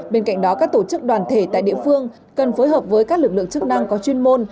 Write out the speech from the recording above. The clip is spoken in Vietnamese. bên cạnh đó các tổ chức đoàn thể tại địa phương cần phối hợp với các lực lượng chức năng có chuyên môn